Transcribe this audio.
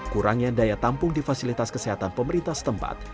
kurangnya daya tampung di fasilitas kesehatan pemerintah setempat